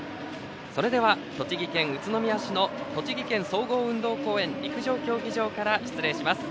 それでは栃木県宇都宮市の栃木県総合運動公園陸上競技場から失礼します。